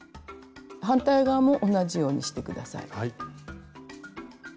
反対側も同じようにして下さい。